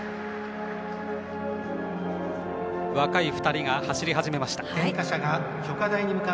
若い２人が走り始めました。